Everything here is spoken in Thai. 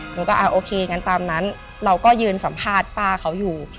หนูก็โอเคงั้นตามนั้นเราก็ยืนสัมภาษณ์ป้าเขาอยู่